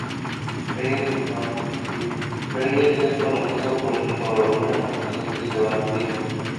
Reyes es conocido por sus colaboraciones con Vicente Sabatini.